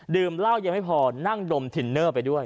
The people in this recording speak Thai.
เหล้ายังไม่พอนั่งดมทินเนอร์ไปด้วย